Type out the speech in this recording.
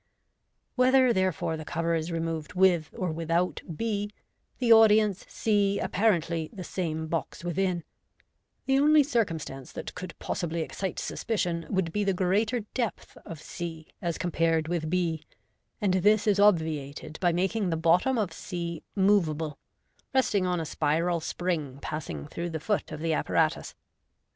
Whether, therefore, the cover is removed with or without b, the audience see apparently the same box within The only circumstance that could possibly excite suspicion would be the greater depth of c as compared with b ; and this is obviated by mak ing the bottom of c moveable, resting on a spiral spring passing through the foot of the apparatus.